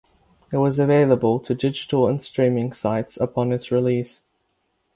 It was available to digital and streaming sites upon its release.